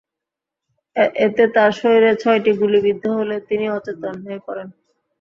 এতে তাঁর শরীরে ছয়টি গুলি বিদ্ধ হলে তিনি অচেতন হয়ে পড়েন।